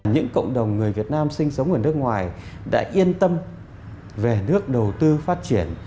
những cộng đồng người việt nam sinh sống ở nước ngoài đã yên tâm về nước đầu tư phát triển